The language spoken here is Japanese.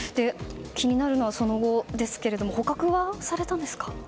気になるのはその後ですけれども捕獲はされたんですか？